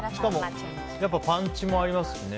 やっぱりパンチもありますしね